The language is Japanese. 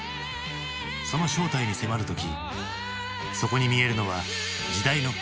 その正体に迫る時そこに見えるのは時代の痕跡か？